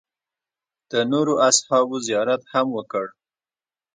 د نورو اصحابو زیارت هم وکړ.